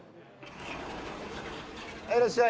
はいいらっしゃい。